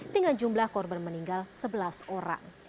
dengan jumlah korban meninggal sebelas orang